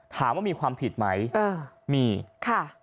ถามว่ามีความผิดไหมเออมีค่ะ